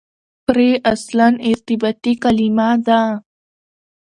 پرې اصلاً ارتباطي کلیمه ده.